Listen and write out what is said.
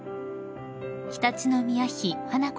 常陸宮妃華子